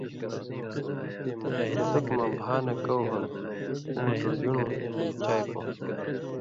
ݜتُک مہ بھا نہ کؤ ہُون٘د او مٹو ژُن٘ڑوں ای چائ پو،